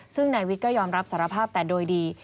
ซึ่งนายวิทย์ก็ยอมรับสารภาพแต่โดยดี